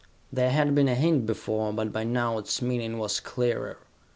There had been a hint before, but by now its meaning was clearer.